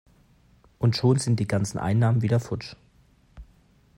Und schon sind die ganzen Einnahmen wieder futsch!